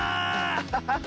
アハハハ！